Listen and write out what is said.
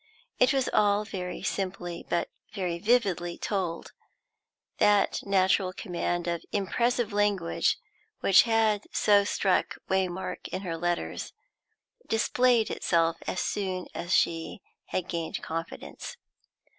It was all very simply, but very vividly, told; that natural command of impressive language which had so struck Waymark in her letters displayed itself as soon as she had gained confidence.